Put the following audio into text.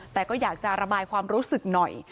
แต่ก็อยากจะระบายความรู้สึกหน่อย